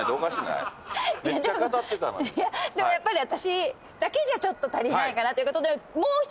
でもやっぱり私だけじゃ足りないかなということで。